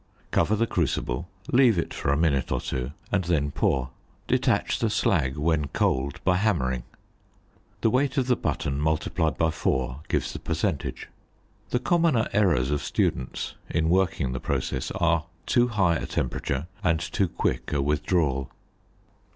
Cover the crucible, leave it for a minute or two, and then pour. Detach the slag, when cold, by hammering. The weight of the button multiplied by 4 gives the percentage. The commoner errors of students in working the process are too high a temperature and too quick a withdrawal.